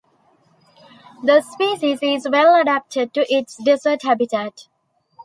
The species is well adapted to its desert habitat.